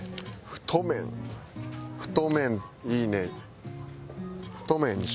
太麺いいね。